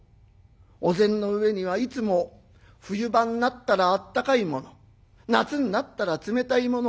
お膳の上にはいつも冬場になったらあったかいもの夏になったら冷たいもの。